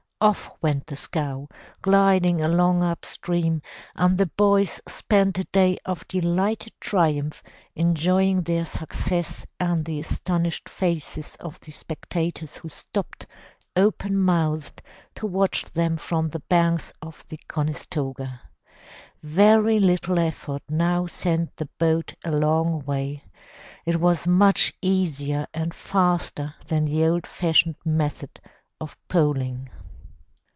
Off went the scow, gliding along upstream, and the boys spent a day of delighted triumph, enjoying their success and the astonished faces of the spectators who stopped, open mouthed, to watch them from the banks of the Conestoga. Very little effort now sent the boat a long way. It was much easier and faster than the old fashioned method of poling.